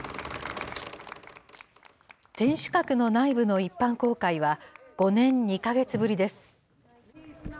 天守閣の内部の一般公開は、５年２か月ぶりです。